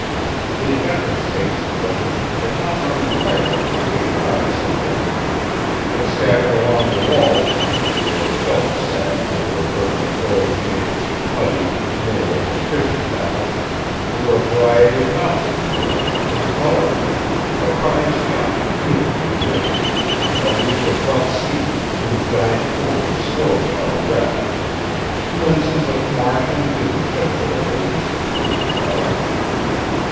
The inventor's taste, however, had not run entirely to patriotic subjects, for scattered along the walls, where shelves sagged with their burden of oilcans, putty, nails and fishing tackle, were a variety of nautical reproductions in color a prize yacht heeling in the wind; a reach of rough sea whose giant combers swirled about a wreck; glimpses of marsh and dune typical of the land of the Cape dweller.